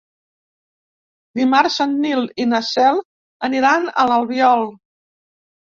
Dimarts en Nil i na Cel aniran a l'Albiol.